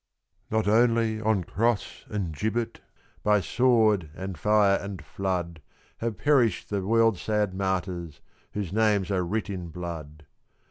_) Not only on cross and gibbet, By sword, and fire, and flood, Have perished the world's sad martyrs Whose names are writ in blood.